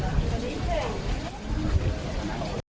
สวัสดีครับทุกคน